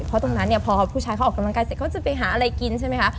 เพราะตรงนั้นเนี่ยพอผู้ชายเขาออกกำลังกายเสร็จเขาจะไปหาอะไรกินใช่ไหมคะ